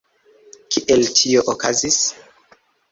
Kiel tio okazis?